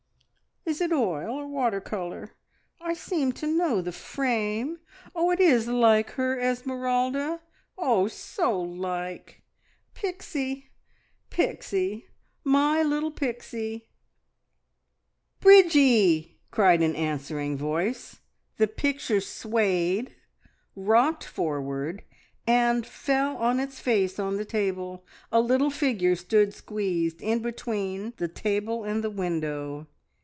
"Is it oil or water colour? I seem to know the frame. Oh, it is like her, Esmeralda oh, so like! Pixie, Pixie, my little Pixie!" "Bridgie!" cried an answering voice. The picture swayed, rocked forward, and fell on its face on the table; a little figure stood squeezed in between the table and the window.